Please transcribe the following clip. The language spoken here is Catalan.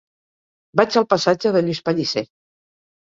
Vaig al passatge de Lluís Pellicer.